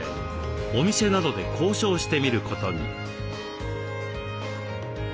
お店などで交渉してみることに。